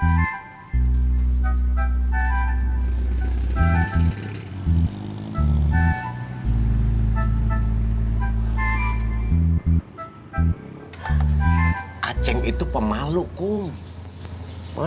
iya dulu dia memang punya berpikir pemanuh